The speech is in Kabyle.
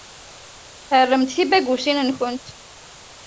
Rremt tibagusin-nkent.